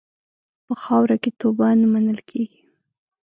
په خاوره کې توبه نه منل کېږي.